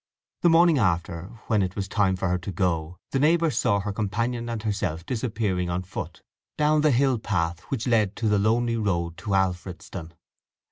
The morning after, when it was time for her to go, the neighbours saw her companion and herself disappearing on foot down the hill path which led into the lonely road to Alfredston.